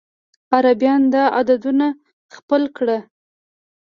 عربيان دا عددونه خپل کړل.